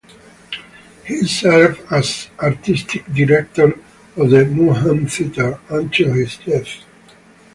He served as artistic director of the Mugham Theater until his death.